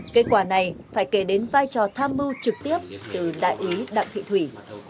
kết quả này phải kể đến vai trò tham mưu trực tiếp từ đại úy đặng thị thủy